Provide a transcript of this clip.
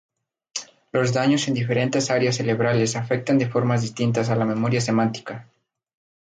Los daños en diferentes áreas cerebrales afectan de formas distintas a la memoria semántica.